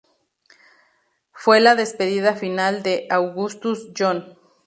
Fue la despedida final de Augustus John.